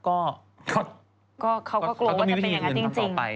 ก็เขาก็กลัวว่าจะเป็นอย่างนั้นจริง